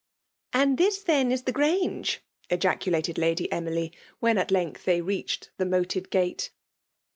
*"" And this then is the Grange ?*' gaodated Lady Emily, when at length they reached the moated gate.